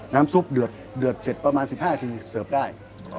น้ำซุปเดือดเสร็จประมาณ๑๕นาทีเสิร์ฟได้